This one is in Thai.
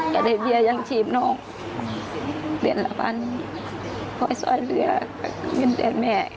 อย่าเห็นกันสิอย่าทิมน้องไว้สิ